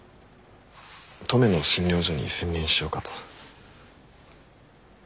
登米の診療所に専念しようかと。